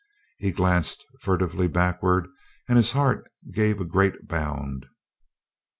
He glanced furtively backward, and his heart gave a great bound.